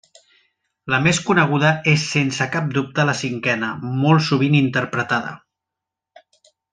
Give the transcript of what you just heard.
La més coneguda és sense cap dubte la cinquena, molt sovint interpretada.